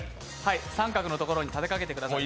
三角のところに立てかけてください。